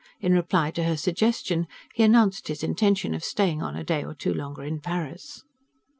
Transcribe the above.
In reply to her suggestion he announced his intention of staying on a day or two longer in Paris.